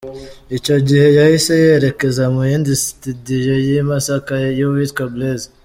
Icyo gihe yahise yerekeza mu yindi Studio y’i Masaka y’uwitwa Blaise.